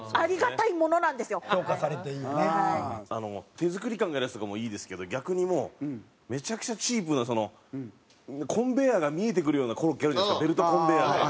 手作り感があるやつとかもいいですけど逆にもうめちゃくちゃチープなそのコンベヤーが見えてくるようなコロッケあるじゃないですかベルトコンベヤーが。